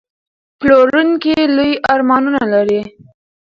پلورونکی لوی ارمانونه لري.